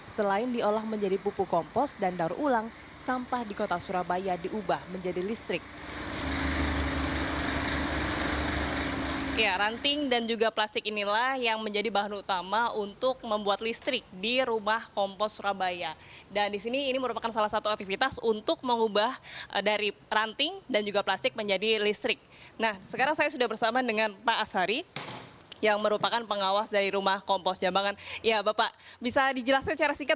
selain diolah menjadi pupuk kompos dan darulang sampah di kota surabaya diubah menjadi listrik